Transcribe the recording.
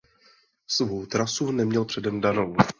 Svou trasu neměl předem danou.